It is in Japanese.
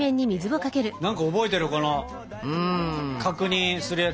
何か覚えてるこの確認するやつね。